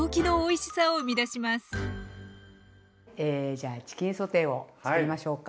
じゃあチキンソテーをつくりましょうか。